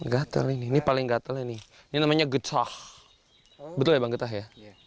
gatel ini paling gatel ini namanya getah betul ya